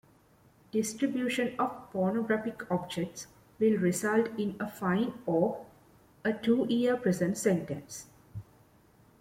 Distribution of pornographic objects will result in a fine or a two-year prison sentence.